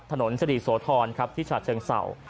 ถนนสรีโสธรณ์ครับที่ชาติเชิงเสา